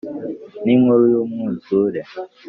ni inkuru y’umwuzure.